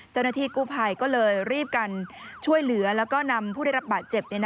เจ้าหน้าที่กู้ภัยก็เลยรีบกันช่วยเหลือแล้วก็นำผู้ได้รับบาดเจ็บ